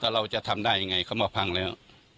เราจะทำได้ยังไงเขามาพังแล้ว